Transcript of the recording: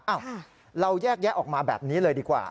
เราแยกแยะออกมาแบบนี้เลยดีกว่า